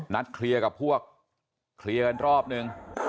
นัดเคลียร์กับพวกเคลียร์กันรอบนึง